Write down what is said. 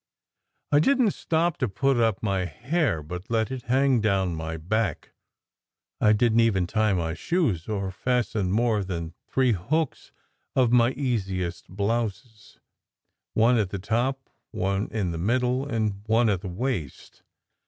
I didn t stop to put up my hair, but let it hang down my back; I didn t even tie my shoes, or fasten more than three hooks of my easiest blouse : one at the top, one in the middle, and one at the waist.